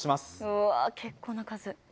うわぁ結構な数。